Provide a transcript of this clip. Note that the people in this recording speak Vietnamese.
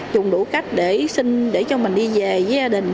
dùng đủ cách để cho mình đi về với gia đình